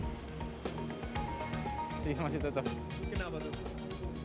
masih masih tetap kenapa tuh